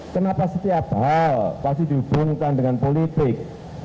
kenapa setiap hal pasti dihubungkan dengan politik